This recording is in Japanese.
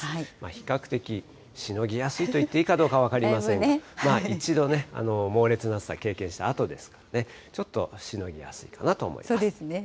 比較的、しのぎやすいと言っていいかどうか分かりませんけど、一度ね、猛烈な暑さ経験したあとですからね、ちょっとしのぎやすいかなと思いそうですね。